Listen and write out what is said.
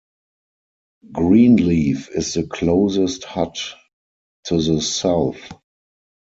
Greenleaf is the closest hut to the south.